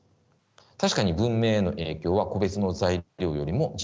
確かに文明への影響は個別の材料よりも甚大です。